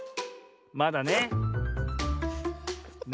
まだね。